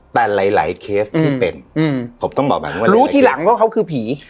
แต่หลายหลายเคสที่เป็นอืมผมต้องบอกแบบนี้รู้ทีหลังว่าเขาคือผี